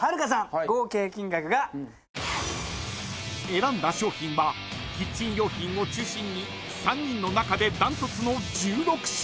［選んだ商品はキッチン用品を中心に３人の中で断トツの１６品］